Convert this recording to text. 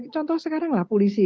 contoh sekarang lah polisi